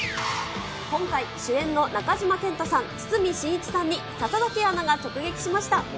今回、主演の中島健人さん、堤真一さんに笹崎アナが直撃しました。